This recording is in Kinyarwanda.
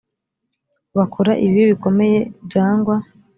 bakora ibibi bikomeye byangwa